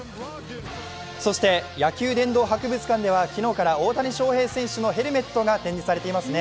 そして野球殿堂博物館では昨日から大谷翔平選手のヘルメットが展示されていますね。